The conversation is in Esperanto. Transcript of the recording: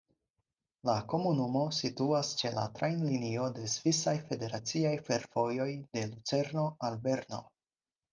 La komunumo situas ĉe la trajnlinio de Svisaj Federaciaj Fervojoj de Lucerno al Berno.